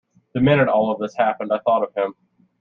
The minute all this happened, I thought of him.